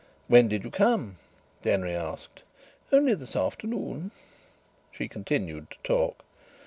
"When did you come?" Denry asked. "Only this afternoon." She continued to talk.